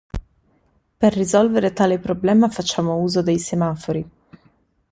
Per risolvere tale problema facciamo uso dei semafori.